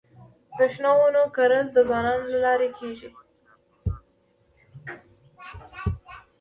د شنو ونو کرل د ځوانانو له لارې کيږي.